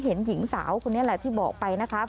เห็นหญิงสาวคนนี้แหละที่บอกไปนะคะ